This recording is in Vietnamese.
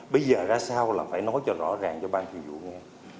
bây giờ ra sao là phải nói cho rõ ràng cho ban thường dụ nghe